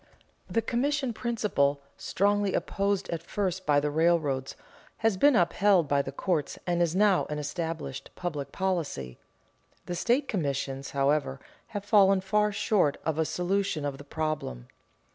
The commission principle, strongly opposed at first by the railroads, has been upheld by the courts and is now an established public policy. The state commissions, however, have fallen far short of a solution of the problem.